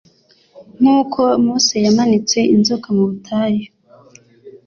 “Nkuko Mose yamanitse inzoka mu butayu,